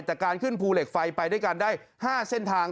แต่การขึ้นภูเหล็กไฟไปด้วยกันได้๕เส้นทาง